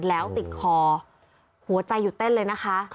แล้วติดคอหัวใจหยุดเต้นเลยนะคะ